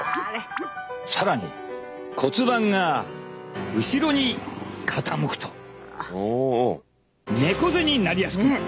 更に骨盤が後ろに傾くと猫背になりやすくなる。